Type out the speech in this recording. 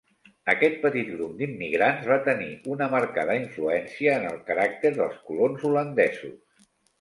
Aquest petit grup d'immigrants va tenir una marcada influència en el caràcter dels colons holandesos.